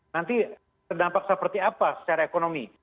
nanti terdampak seperti apa secara ekonomi